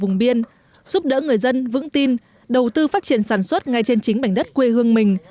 giúp đỡ người dân vững tin đầu tư phát triển sản xuất ngay trên chính bảnh đất quê hương mình